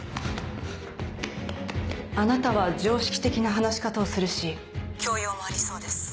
あなたは常識的な話し方をするし教養もありそうです。